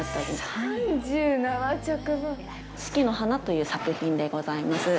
「四季の花」という作品でございます。